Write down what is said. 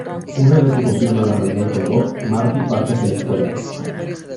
Una vez que confirma la reunión con Doc, Marty parte hacia la escuela.